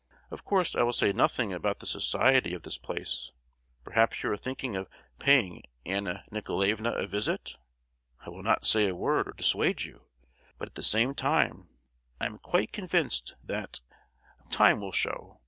Of course I will say nothing about the society of this place. Perhaps you are thinking of paying Anna Nicolaevna a visit? I will not say a word to dissuade you; but at the same time I am quite convinced that—time will show!